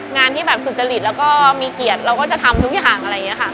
งานที่แบบสุจริตแล้วก็มีเกียรติเราก็จะทำทุกอย่างอะไรอย่างนี้ค่ะ